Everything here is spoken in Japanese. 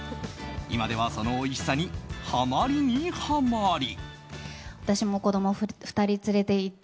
今ではそのおいしさにハマりにハマり。